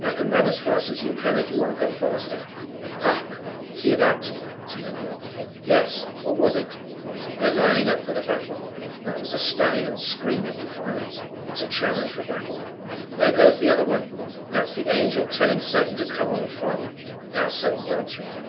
"I can run as fast as you can if you want to go faster." "Hark! Hear that?" exclaimed Bud. "Yes, what was it?" "They're lining up for the battle. That was a stallion's scream of defiance. It is a challenge for battle. There goes the other one. That's the Angel telling Satan to come on and fight. Now Satan's answering him."